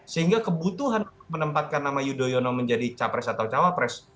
sehingga kebutuhan untuk menempatkan nama yudhoyono menjadi capres atau cawapres